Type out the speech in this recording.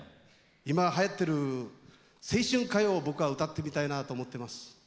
今はやってる青春歌謡を僕は歌ってみたいなと思ってます。